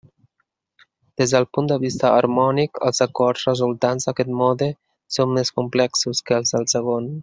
Des del punt de vista harmònic, els acords resultants d'aquest mode són més complexos que els del segon.